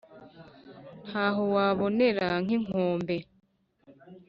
ntaho wabonera n’inkombe,